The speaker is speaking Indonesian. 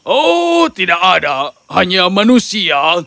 oh tidak ada hanya manusia